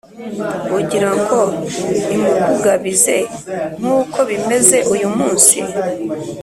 ugira ngo imukugabize nk’uko bimeze uyu munsi